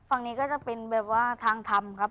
ฝั่งนี้ก็จะเป็นแบบว่าทางทำครับ